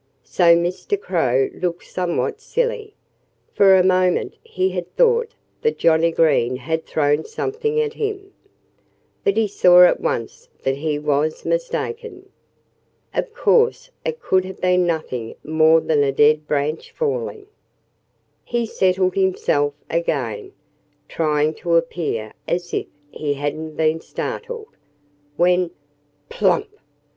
So Mr. Crow looked somewhat silly. For a moment he had thought that Johnnie Green had thrown something at him. But he saw at once that he was mistaken. Of course it could have been nothing more than a dead branch falling. He settled himself again, trying to appear as if he hadn't been startled, when _plump!